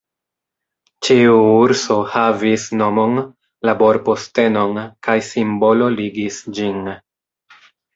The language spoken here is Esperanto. Ĉiu urso havis nomon, laborpostenon, kaj simbolo ligis ĝin.